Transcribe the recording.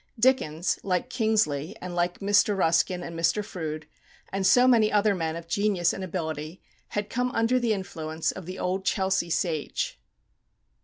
Dickens, like Kingsley, and like Mr. Ruskin and Mr. Froude, and so many other men of genius and ability, had come under the influence of the old Chelsea sage.